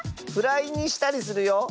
フライにしたりするよ。